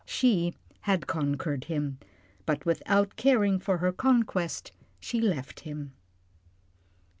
She had conquered him, but without caring for her conquest she left him.